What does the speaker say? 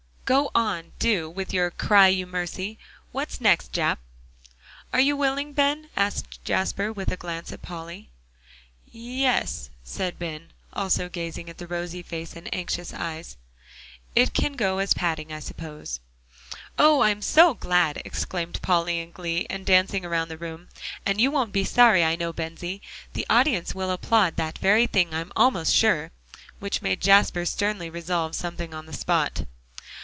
"Go on, do, with your 'cry you mercy.' What's next, Jap?" "Are you willing, Ben?" asked Jasper, with a glance at Polly. "Ye es," said Ben, also gazing at the rosy face and anxious eyes, "it can go as padding, I suppose." "Oh! I am so glad," exclaimed Polly in glee, and dancing around the room. "And you won't be sorry, I know, Bensie; the audience will applaud that very thing I'm almost sure," which made Jasper sternly resolve something on the spot.